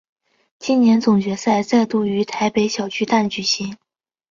今年总决赛再度于台北小巨蛋举行。